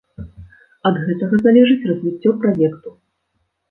Ад гэтага залежыць развіццё праекту.